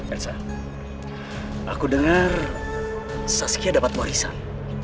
elsa aku dengar saskia dapat warisan